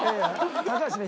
高橋ね